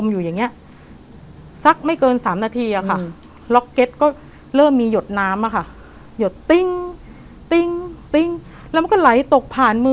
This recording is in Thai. หึหึหึหึหึหึ